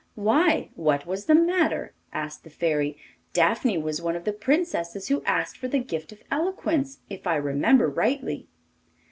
'Why, what was the matter?' asked the Fairy. 'Daphne was one of the princesses who asked for the gift of eloquence, if I remember rightly.